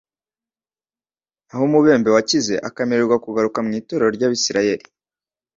Naho umubembe wakize akemererwa kugaruka mu iteraniro ry"abisiraeli